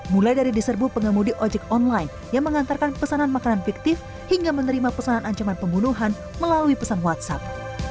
mulai dari diserbu pengemudi ojek online yang mengantarkan pesanan makanan fiktif hingga menerima pesanan ancaman pembunuhan melalui pesan whatsapp